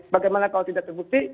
bagaimana kalau tidak terbukti